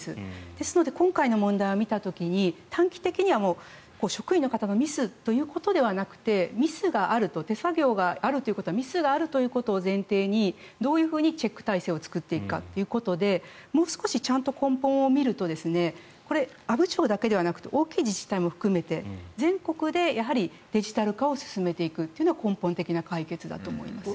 ですので、今回の問題を見た時に短期的には職員の方のミスということではなくてミスがあると手作業があるということはミスがあるということを前提にどういうふうにチェック体制を作っていくかということでもう少しちゃんと根本を見るとこれ、阿武町だけではなくて大きい自治体も含めて全国でやはりデジタル化を進めていくのは根本的な解決だと思います。